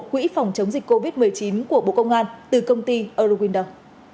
quỹ phòng chống dịch covid một mươi chín của bộ công an từ công ty eurowindow